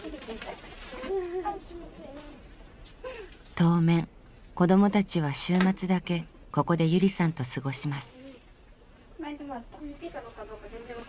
当面子どもたちは週末だけここでゆりさんと過ごします。